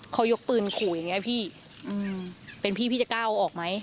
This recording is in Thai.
เขายกปืนขู่อย่างนี้พี่เป็นพี่พี่จะกล้าเอาออกไหม